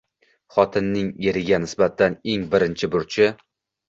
Xotinning eriga nisbatan eng birinchi burchi.